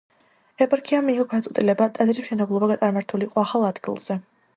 ეპარქიამ მიიღო გადაწყვეტილება ტაძრის მშენებლობა წარმართულიყო ახალ ადგილზე.